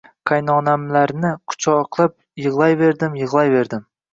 Qaynonamlarni quchoqlab yigʻlayverdim, yigʻlayverdim...